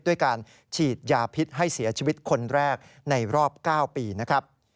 ด้วยการฉีดยาพิษให้เสียชีวิตคนแรกในรอบ๙ปีนะครับ